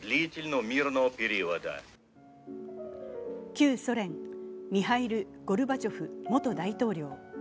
旧ソ連、ミハイル・ゴルバチョフ元大統領。